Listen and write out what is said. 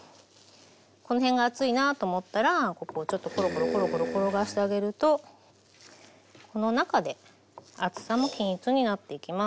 この辺が厚いなと思ったらここをちょっとコロコロコロコロ転がしてあげるとこの中で厚さも均一になっていきます。